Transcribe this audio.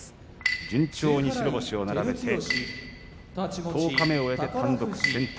順調に白星を重ねて十日目を終えて単独先頭。